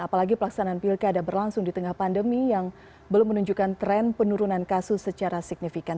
apalagi pelaksanaan pilkada berlangsung di tengah pandemi yang belum menunjukkan tren penurunan kasus secara signifikan